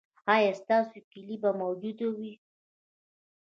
ایا ستاسو کیلي به موجوده وي؟